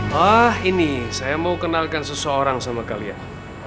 wah ini saya mau kenalkan seseorang sama kalian